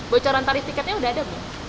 bocoran tarif tiketnya sudah ada bu